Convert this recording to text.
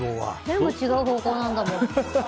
全部違う方向なんだもん。